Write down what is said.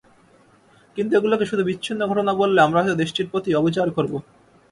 কিন্তু এগুলোকে শুধু বিচ্ছিন্ন ঘটনা বললে আমরা হয়তো দেশটির প্রতি অবিচার করব।